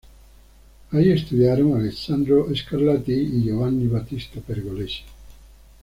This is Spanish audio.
Ahí estudiaron Alessandro Scarlatti y Giovanni Battista Pergolesi.